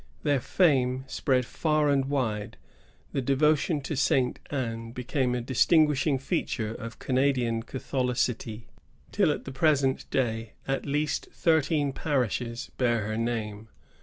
Their fame spread far and wide. The devotion to Saint Anne became a distinguishing feature of Canadian Catholicity, tiU at the present day at least thirteen parishes bear her name.